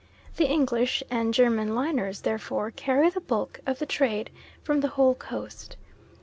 The English and German liners therefore carry the bulk of the trade from the whole Coast.